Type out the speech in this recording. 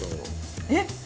えっ？